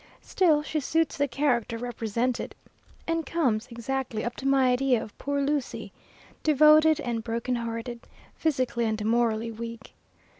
Still she suits the character represented, and comes exactly up to my idea of poor Lucy, devoted and broken hearted, physically and morally weak.